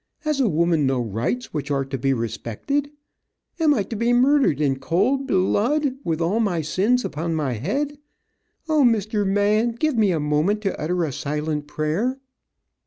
Has a woman no rights which are to be respected? Am I to be murdered in cold bel lud, with all my sins upon my head. O, Mr. Man, give me a moment to utter a silent prayer."